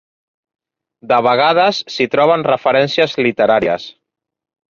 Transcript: De vegades s'hi troben referències literàries.